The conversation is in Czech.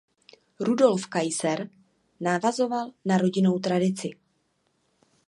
Rudolf Kaiser navazoval na rodinou tradici.